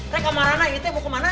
kekamaran itu mau kemana